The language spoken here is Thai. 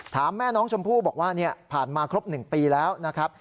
แม่น้องชมพู่บอกว่าผ่านมาครบ๑ปีแล้วนะครับ